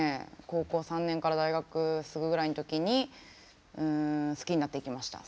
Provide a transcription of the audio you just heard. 高校３年から大学すぐぐらいの時にうん好きになっていきました。